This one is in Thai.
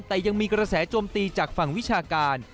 แต่ยังมีกระแสโจมตีจากฝั่งวิชาการ